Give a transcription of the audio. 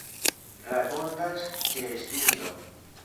Rakontas ĉeestinto.